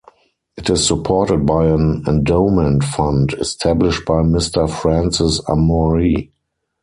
It is supported by an endowment fund established by Mr. Francis Amory.